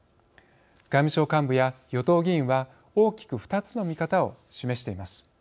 外務省幹部や与党議員は大きく２つの見方を示しています。